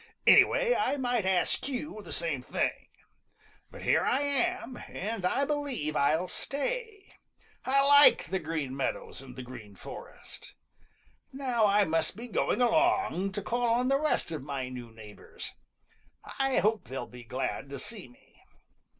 Anyway, I might ask you the same thing. But here I am, and I believe I'll stay. I like the Green Meadows and the Green Forest. Now I must be going along to call on the rest of my new neighbors. I hope they'll be glad to see me."